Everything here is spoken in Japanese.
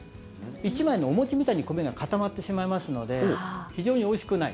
１枚のお餅みたいに米が固まってしまいますので非常においしくない。